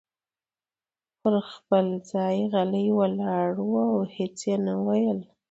پر خپل ځای غلی ولاړ و او هیڅ یې نه ویل.